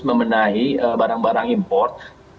memenahi barang barang import